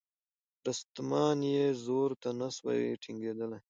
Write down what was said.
رستمان یې زور ته نه سوای ټینګېدلای